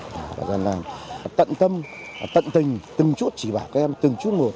tận tâm tận tình từng chút chỉ bảo các em từng chút một